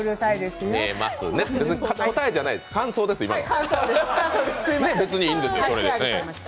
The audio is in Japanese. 別に答えじゃないです、今のは感想です。